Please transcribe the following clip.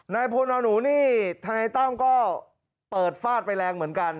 พลนอนหนูนี่ทนายตั้มก็เปิดฟาดไปแรงเหมือนกัน